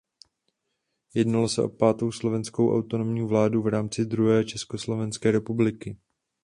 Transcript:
Jednalo se o pátou slovenskou autonomní vládu v rámci druhé československé republiky.